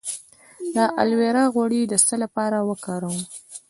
د الوویرا غوړي د څه لپاره وکاروم؟